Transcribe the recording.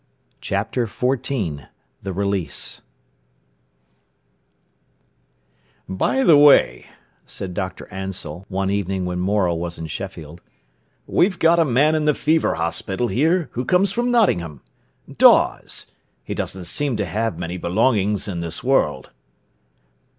CHAPTER XIV THE RELEASE "By the way," said Dr. Ansell one evening when Morel was in Sheffield, "we've got a man in the fever hospital here who comes from Nottingham—Dawes. He doesn't seem to have many belongings in this world."